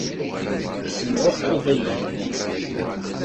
Tessemɛuqquḍ-iyi-d.